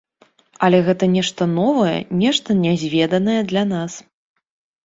Але гэта нешта новае, нешта нязведанае для нас.